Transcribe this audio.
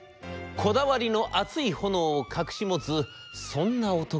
こだわりの熱い炎を隠し持つそんな男でございます。